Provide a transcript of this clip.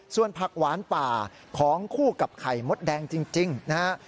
ส่วนผักหวานป่าของคู่กับไข่มดแดงจริงนะฮะ